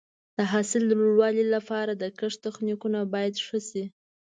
د حاصل د لوړوالي لپاره د کښت تخنیکونه باید ښه شي.